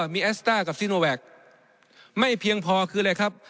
มีแอสต้ากับซีโนแวคไม่เพียงพอคืออะไรครับ